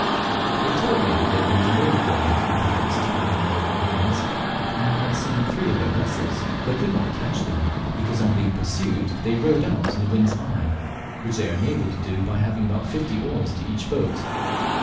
They told me that they had been delayed going after the pirates to one of the northern islands, and had seen three of their vessels but could not catch them, because on being pursued they rowed out in the wind's eye, which they are enabled to do by having about fifty oars to each boat.